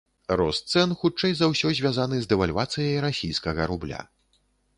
Рост цэн хутчэй за ўсё звязаны з дэвальвацыяй расійскага рубля.